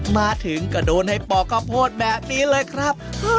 มาถึงก็โดนให้ปอกข้าวโพดแบบนี้เลยครับ